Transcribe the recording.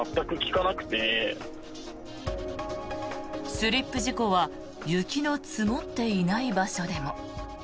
スリップ事故は雪の積もっていない場所でも。